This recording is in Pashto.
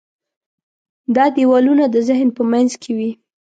دا دیوالونه د ذهن په منځ کې وي.